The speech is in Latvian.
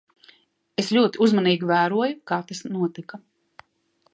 Es ļoti uzmanīgi vēroju, kā tas notika.